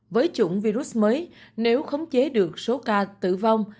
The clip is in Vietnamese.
với chủng virus mới nếu khống chế được số ca tử vong